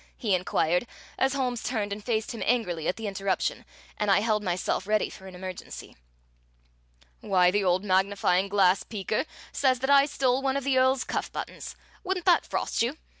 he inquired, as Holmes turned and faced him angrily at the interruption and I held myself ready for an emergency. "Why, the old magnifying glass peeker says that I stole one of the Earl's cuff buttons! Wouldn't that frost you?